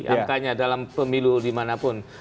amk nya dalam pemilu dimanapun